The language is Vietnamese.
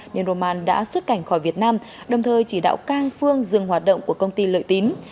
nên roman đã xuất cảnh khỏi việt nam đồng thời chỉ đạo cang phương dừng hoạt động của công ty lợi tín